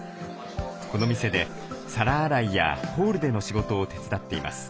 この店で皿洗いやホールでの仕事を手伝っています。